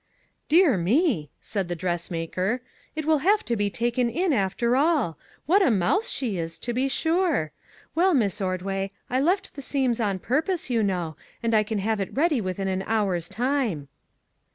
" Dear me !" said the dressmaker, " it will have to be taken in, after all. What a mouse she is, to be sure! Well, Miss Ordway, I left 150 SURPRISES the seams on purpose, you know, and I can have it ready within an hour's time."